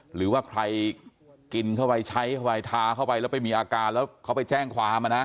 หรือว่าใครกินเข้าไปใช้เข้าไปทาเข้าไปแล้วไปมีอาการแล้วเขาไปแจ้งความ